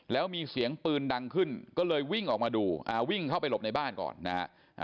แล้วมีเสียงปืนดังขึ้นก็เลยวิ่งออกมาดูวิ่งเข้าไปหลบในบ้านก่อนนะฮะ